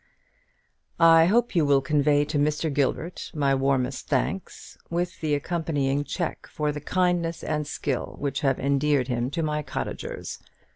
"I hope you will convey to Mr. Gilbert my warmest thanks, with the accompanying cheque, for the kindness and skill which have endeared him to my cottagers.